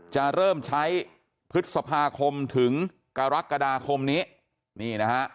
จะเริ่มใช้พฤษภาคมถึงกรกฎาคมนี้